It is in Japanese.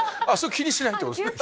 気にしないってことですね。